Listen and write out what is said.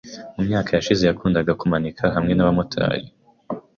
Mu myaka yashize, yakundaga kumanika hamwe nabamotari .